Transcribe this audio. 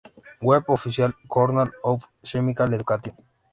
Web oficial Journal of Chemical Education